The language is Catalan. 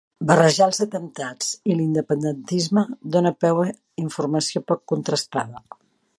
Barrejar els atemptats i l'independentisme dona peu a informació poc contrastada